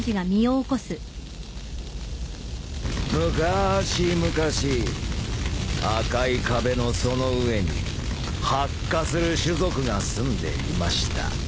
むかーし昔赤い壁のその上に発火する種族が住んでいました。